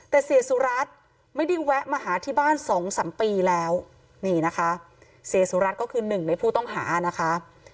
แต่เสียสุรัตน์ไม่ได้แวะมาหาที่บ้านสองสามปีแล้วนี่นะคะเสียสุรัตน์ก็คือหนึ่งในผู้ต้องหานะคะ